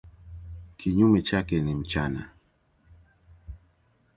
Kinyume chake ni mchana.